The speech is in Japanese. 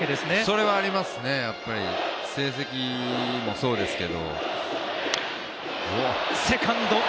それはありますね、やっぱり成績もそうですけど。